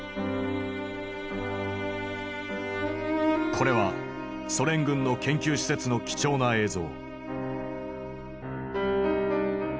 これはソ連軍の研究施設の貴重な映像。